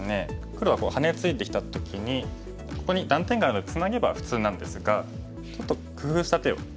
黒がハネツイできた時にここに断点ツナげば普通なんですがちょっと工夫した手を打ったところです。